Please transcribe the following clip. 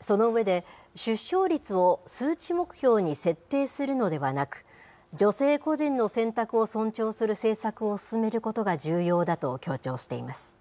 その上で、出生率を数値目標に設定するのではなく、女性個人の選択を尊重する政策を進めることが重要だと強調しています。